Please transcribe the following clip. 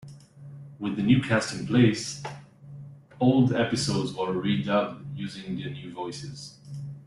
With the new cast in place, old episodes were re-dubbed using the new voices.